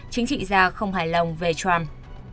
chính trị gia không hài lòng về trump